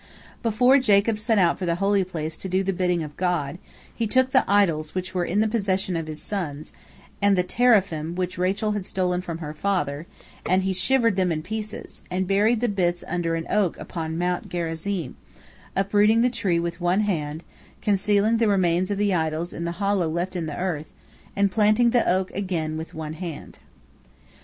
Before Jacob set out for the holy place to do the bidding of God, he took the idols which were in the possession of his sons, and the teraphim which Rachel had stolen from her father, and he shivered them in pieces, and buried the bits under an oak upon Mount Gerizim, uprooting the tree with one hand, concealing the remains of the idols in the hollow left in the earth, and planting the oak again with one hand.